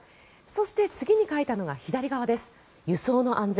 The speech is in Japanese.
そして、次に書いたのが左側、輸送の安全